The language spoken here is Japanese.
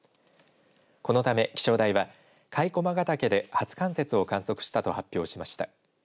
このため気象台は甲斐駒ヶ岳で初冠雪を観測したと発表しました。